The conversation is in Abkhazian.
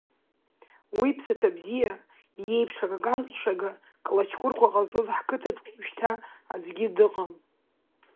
Уи ԥсаҭа бзиа, иеиԥш акакан ҟәшәага клаҷкәрқәа ҟазҵоз ҳқыҭаҿы уажәшьҭа аӡәгьы дыҟам!